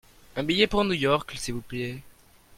Un billet pour New York s'il vous plait.